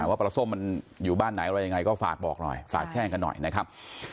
ว่าปลาส้มมันอยู่บ้านไหนอะไรยังไงก็ฝากบอกหน่อยฝากแจ้งกันหน่อยนะครับ